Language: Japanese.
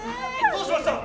どうしました？